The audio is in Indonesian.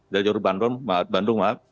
di jalur bandung